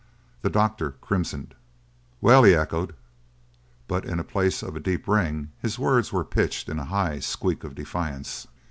The doctor crimsoned. "Well?" he echoed, but in place of a deep ring his words were pitched in a high squeak of defiance.